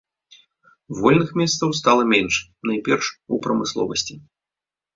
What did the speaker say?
Вольных месцаў стала менш найперш у прамысловасці.